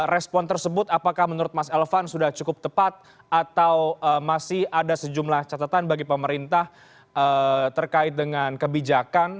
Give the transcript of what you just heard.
respon tersebut apakah menurut mas elvan sudah cukup tepat atau masih ada sejumlah catatan bagi pemerintah terkait dengan kebijakan